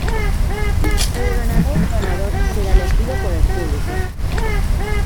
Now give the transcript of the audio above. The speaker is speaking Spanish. El ganador o ganadora será elegido por el público.